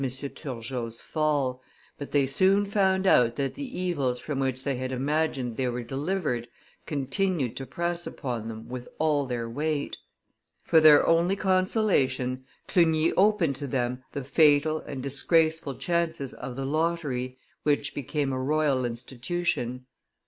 Turgot's fall, but they soon found out that the evils from which they had imagined they were delivered continued to press upon them with all their weight. For their only consolation Clugny opened to them the fatal and disgraceful chances of the lottery, which became a royal institution.